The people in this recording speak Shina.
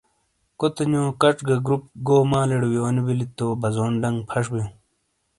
کُوتے نیو کچ گہ گُروپ گو مالِیڑے وییونو بیلی تو بزون ڈنگ پھش بِیوں۔